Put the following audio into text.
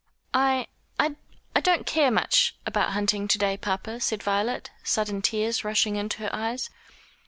"I I don't care much about hunting to day, papa," said Violet, sudden tears rushing into her eyes.